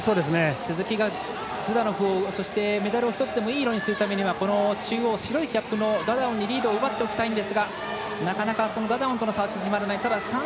鈴木がズダノフを追ってメダルをいい色にするためにはこの中央白いキャップのダダオンにリードを奪っておきたいんですがなかなかダダオンとの差は縮まれない。